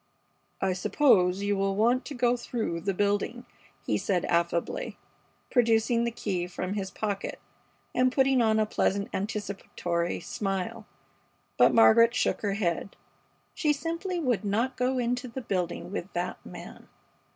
"I suppose you will want to go through the building," he said, affably, producing the key from his pocket and putting on a pleasant anticipatory smile, but Margaret shook her head. She simply would not go into the building with that man.